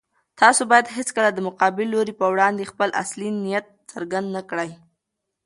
تاسو بايد هيڅکله د مقابل لوري په وړاندې خپل اصلي نيت څرګند نه کړئ.